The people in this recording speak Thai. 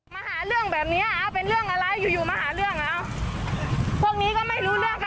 มาหาเรื่องแบบเนี้ยเอาเป็นเรื่องอะไรอยู่อยู่มาหาเรื่องเหรอพวกนี้ก็ไม่รู้เรื่องค่ะ